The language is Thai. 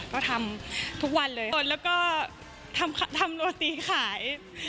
ก็ทำทุกวันเลยแล้วก็ทำโรตีขาย